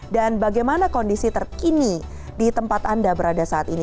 dan bagaimana kondisi terkini di tempat anda berada saat ini